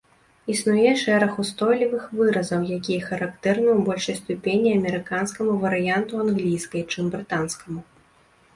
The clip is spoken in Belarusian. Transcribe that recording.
Існуе шэраг устойлівых выразаў, якія характэрны ў большай ступені амерыканскаму варыянту англійскай, чым брытанскаму.